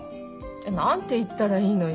じゃ何て言ったらいいのよ。